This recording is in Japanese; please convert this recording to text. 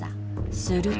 すると。